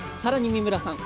三村さん